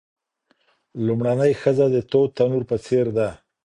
لومړنۍ ښځه د تود تنور په څیر ده.